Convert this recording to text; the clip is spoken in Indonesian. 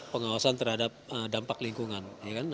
pengawasan terhadap dampak lingkungan